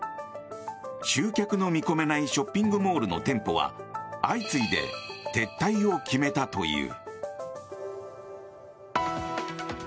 集客の見込めないショッピングモールの店舗は相次いで撤退を決めたという。